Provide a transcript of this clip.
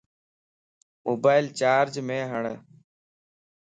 موبائل چارج مَ ھڙ